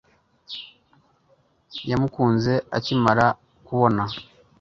yamukunze akimara kubona